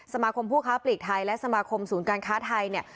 ผู้ค้าปลีกไทยและสมาคมศูนย์การค้าไทยเนี่ย